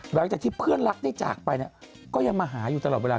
หลังจากที่เพื่อนรักได้จากไปเนี่ยก็ยังมาหาอยู่ตลอดเวลา